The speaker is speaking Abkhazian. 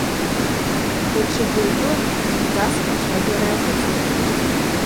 Даҽа џьоукы зынӡаск ацәажәара иаҟәыҵуан.